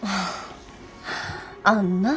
あんなぁ